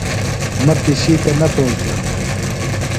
مہ پشِکہ نہ پونچانوۡ۔